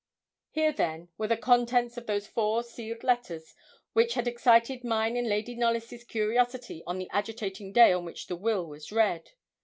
Here, then, were the contents of those four sealed letters which had excited mine and Lady Knollys' curiosity on the agitating day on which the will was read.